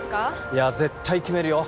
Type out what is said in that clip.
いや絶対決めるよ